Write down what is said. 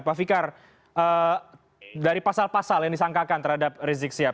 pak fikir dari pasal pasal yang disangkakan terhadap risik siap